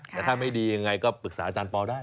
แต่ถ้าไม่ดียังไงก็ปรึกษาอาจารย์ปอลได้